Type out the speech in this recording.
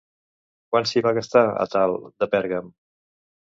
Quant s'hi va gastar Àtal de Pèrgam?